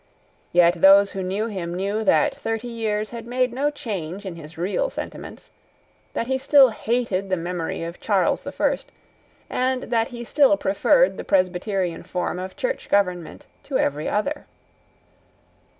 Yet those who knew him knew that thirty years had made no change in his real sentiments, that he still hated the memory of Charles the First, and that he still preferred the Presbyterian form of church government to every other.